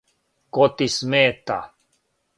Ко ти смета?